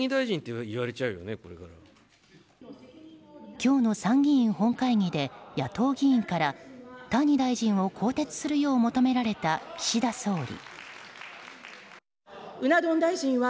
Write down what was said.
今日の参議院本会議で野党議員から谷大臣を更迭するよう求められた岸田総理。